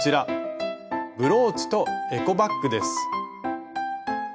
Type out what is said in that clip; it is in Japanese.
ブローチとエコバッグです。